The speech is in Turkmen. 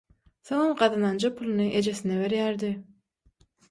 Soňam gazananja puluny ejesine berýärdi.